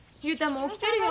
もう起きてるよ。